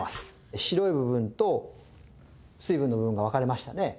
白い部分と水分の部分が分かれましたね。